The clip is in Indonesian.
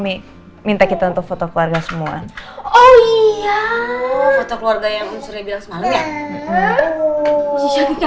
ini minta kita untuk foto keluarga semua oh iya keluarga yang bisa bilang semalem ya